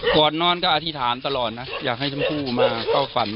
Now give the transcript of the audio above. ก่อนนอนก็อธิษฐานตลอดนะอยากให้ชมพู่มาเข้าฝัน